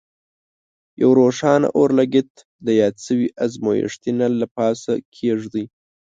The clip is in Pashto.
یو روښانه اورلګیت د یاد شوي ازمیښتي نل له پاسه کیږدئ.